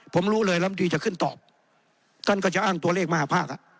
ผมรู้เลยลำดีจะขึ้นตอบท่านก็จะอ้างตัวเลขมหาภาค